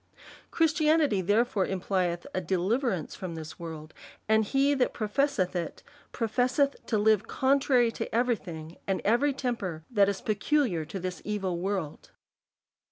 Christianity, therefore, implieth adeliverance from this world ; and he that professeth it, professeth to live contrary to every thing and every temper that is peculiar to this evil world.